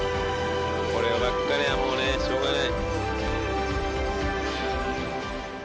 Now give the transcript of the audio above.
こればっかりはもうねしょうがない